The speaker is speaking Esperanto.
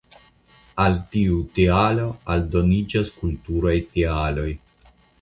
Al tiu tialo aldoniĝas kulturaj tialoj.